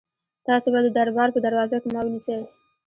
تاسي به د دربار په دروازه کې ما ونیسئ.